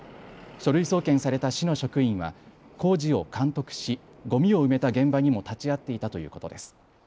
書類送検された市の職員は工事を監督し、ゴミを埋めた現場にも立ち会っていたということです。